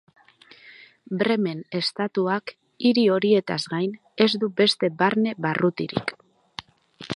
Bremen estatuak hiri horietaz gain ez du beste barne-barrutirik.